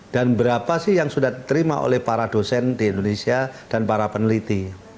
dan berapa sih yang sudah diterima oleh para dosen di indonesia dan para peneliti